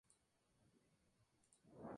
Hojas lanceoladas, divididas.